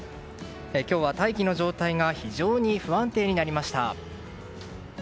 今日は大気の状態が非常に不安定になりました。